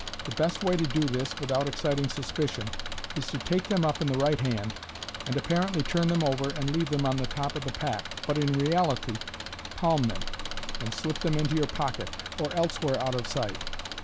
The best way to do this, without exciting suspicion, is to take them up in the right hand, and apparently turn them over and leave them on the top of the pack, but in reality palm them, and slip them into your pocket, or elsewhere out of sight.